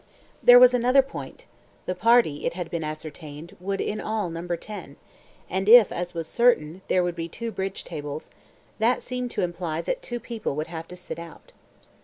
There was another point: the party, it had been ascertained, would in all number ten, and if, as was certain, there would be two bridge tables, that seemed to imply that two people would have to cut out.